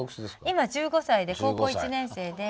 今１５歳で高校１年生で。